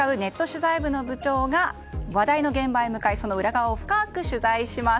取材部の部長が話題の現場に向かいその裏側を深く取材します。